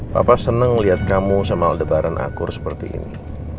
papa seneng ngeliat kamu sama aldebaran akur seperti ini